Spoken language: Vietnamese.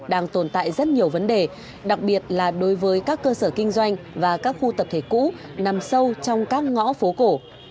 đang tồn tại rất nhiều vấn đề đặc biệt là đối với các cơ sở kinh doanh và các khu tập thể cũ nằm sâu trong các ngõ phố cổ